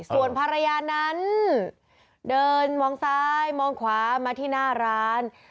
ส่วนภรรยานั้นเดินมองซ้ายมองขวามาที่หน้าร้าน